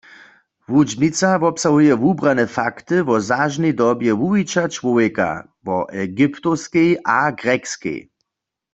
Wučbnica wobsahuje wubrane fakty wo zažnej dobje wuwića čłowjeka, wo Egyptowskej a Grjekskej.